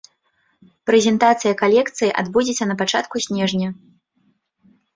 Прэзентацыя калекцыі адбудзецца на пачатку снежня.